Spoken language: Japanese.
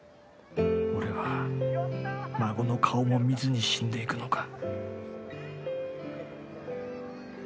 俺は孫の顔も見ずに死んでいくのか